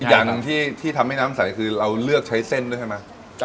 อย่างที่ทำให้น้ำใสคือเราเลือกใช้เส้นด้วยใช่ไหม